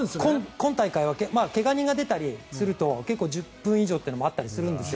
今大会は怪我人が出たりすると１０分以上というのもあったりするんですよ。